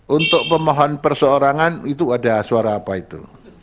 untuk pemohon perseorangan itu ada suara apa itu